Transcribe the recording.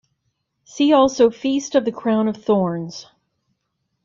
See also Feast of the Crown of Thorns.